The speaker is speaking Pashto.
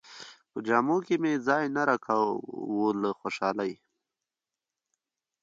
په جامو کې مې ځای نه راکاوه له خوشالۍ.